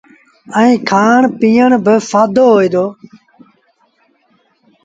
ائيٚݩ کآڻ پيٚئڻ با سآدو هوئي دو۔